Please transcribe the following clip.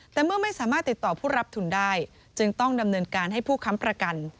แต่เมื่อไม่สามารถติดต่อผู้รับทุนได้จึงต้องดำเนินการให้ผู้ค้ำประกัน